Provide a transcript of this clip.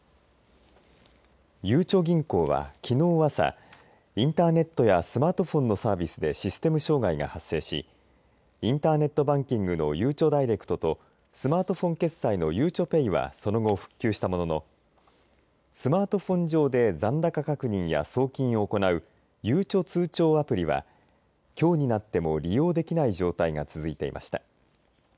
ゆうちょ銀行は、きのう朝インターネットやスマートフォンのサービスでシステム障害が発生しインターネットバンキングのゆうちょダイレクトとスマートフォン決済のゆうちょＰａｙはその後復旧したもののスマートフォン上で残高確認や送金を行うゆうちょ通帳アプリはきょうになっても利用できない状態が続いていました。